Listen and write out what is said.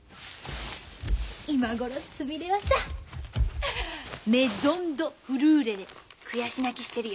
今頃すみれはさメゾン・ド・フルーレで悔し泣きしてるよ。